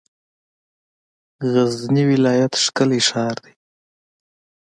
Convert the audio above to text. غزنی ولایت ښکلی شار دی.